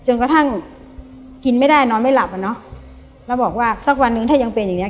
กระทั่งกินไม่ได้นอนไม่หลับอ่ะเนอะแล้วบอกว่าสักวันหนึ่งถ้ายังเป็นอย่างเงี